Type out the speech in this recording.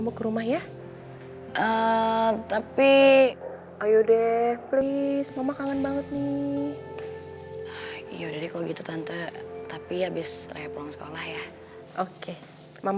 mereka dicelakain sama bang kobar